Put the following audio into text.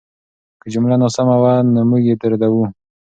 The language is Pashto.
که جمله ناسمه وه، نو موږ یې ردوو.